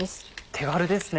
手軽ですね。